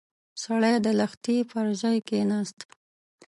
سړی د لښتي پر ژۍ کېناست.